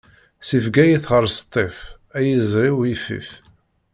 Si Bgayet ɣer Sṭif, ay iẓri-w ifif!